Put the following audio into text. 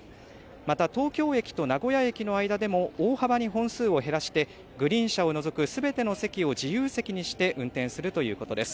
また東京駅と名古屋駅の間でも大幅に本数を減らしてグリーン車を除くすべての席を自由席にして運転するということです。